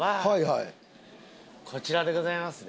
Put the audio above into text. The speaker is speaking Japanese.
こちらでございますね。